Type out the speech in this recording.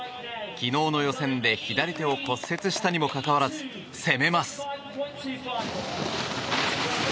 昨日の予選で左手を骨折したにもかかわらず攻めます。